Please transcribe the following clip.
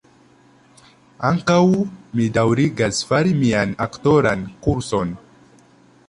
Ankaŭ mi daŭrigas fari mian aktoran kurson